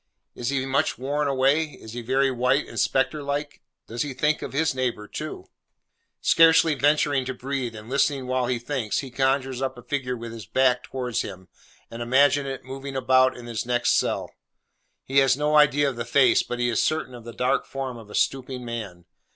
Is he much worn away? Is he very white and spectre like? Does he think of his neighbour too? Scarcely venturing to breathe, and listening while he thinks, he conjures up a figure with his back towards him, and imagines it moving about in this next cell. He has no idea of the face, but he is certain of the dark form of a stooping man.